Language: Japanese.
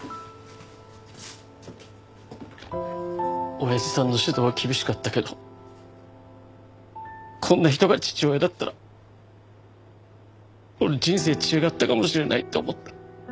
おやじさんの指導は厳しかったけどこんな人が父親だったら俺人生違ったかもしれないって思った。